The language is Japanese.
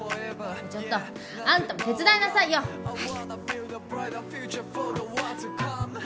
ちょっとあんたも手伝いなさいよ。早く！